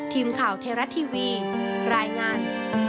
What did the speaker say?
ทีมข่าวเทราะต์ทีวีรายงาน